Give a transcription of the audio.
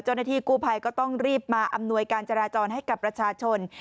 เจ้าหน้าที่กู้ภัยก็ต้องรีบมาอำนวยการจราจรให้กับประชาชน